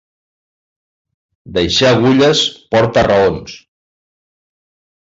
Deixar agulles porta raons.